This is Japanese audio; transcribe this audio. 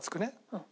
うん。